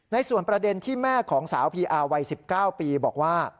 ในส่วนประเด็นที่แม่ของสาวพีอาร์วัย๑๙ปีบอกว่า